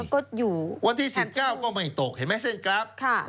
ก็อยู่วันที่๑๙ก็ไม่ตกเห็นไหมเส้นกราฟ